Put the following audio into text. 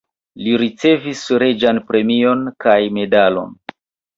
Li ricevis reĝan premion kaj medalon.